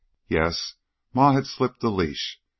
Yes, Ma had slipped the leash.